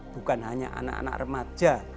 bukan hanya anak anak remaja